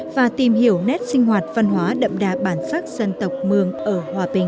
và tìm hiểu nét sinh hoạt văn hóa đậm đà bản sắc dân tộc mường ở hòa bình